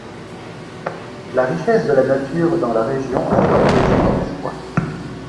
La richesse de la nature dans la région a favorisé ce choix.